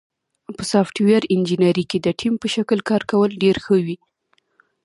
په سافټویر انجینری کې د ټیم په شکل کار کول ډېر ښه وي.